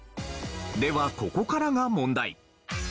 ではここからが問題。